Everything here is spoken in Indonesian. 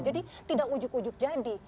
jadi tidak ujug ujug jadi